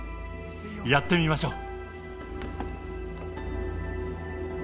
やってみましょう。